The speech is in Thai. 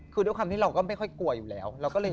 คือด้วยความที่เราก็ไม่ค่อยกลัวอยู่แล้ว